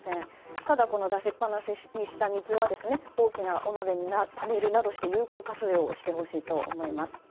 ただ、出しっぱなしにした水は大きなお鍋にためるなど有効活用してほしいと思います。